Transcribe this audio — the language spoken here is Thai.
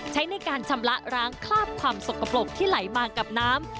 ใช้ในการชำระร้างคราบความสกปรกที่ไหลมากับน้ำ